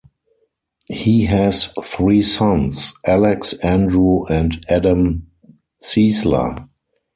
He has three sons: Alex, Andrew, and Adam Ciesla.